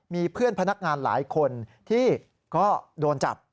มีเพื่อนพนักงานหลายคนที่ก็โดนจับ